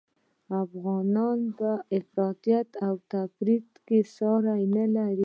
افغانان په افراط او تفریط کي ساری نلري